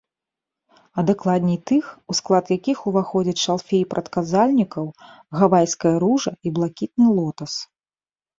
А дакладней тых, у склад якіх уваходзіць шалфей прадказальнікаў, гавайская ружа і блакітны лотас.